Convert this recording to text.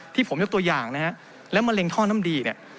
ที่ผมยกตัวอย่างนะฮะแล้วมะเร็งท่อน้ำดีเนี่ย